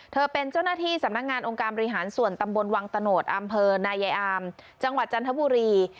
เธอเป็นเจ้าหน้าที่สำนักงานองค์การบริหารส่วนตำบลวังตะโนธอำเภอนายายอามจังหวัดจันทบุรี